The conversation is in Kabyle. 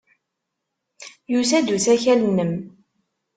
Yusa-d usakal-nnem.